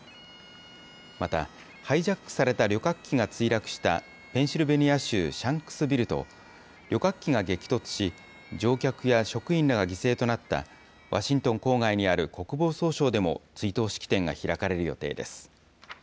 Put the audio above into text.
また、ハイジャックされた旅客機が墜落したペンシルベニア州シャンクスビルと、旅客機が激突し、乗客や職員らが犠牲となったワシントン郊外にある国防総省でも、追悼式典が開かれる予定です。